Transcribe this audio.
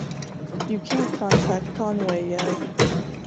You can’t contact Conway yet.